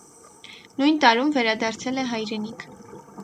Նույն տարում վերադարձել է հայրենիք։